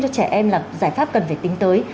cho trẻ em là giải pháp cần phải tính tới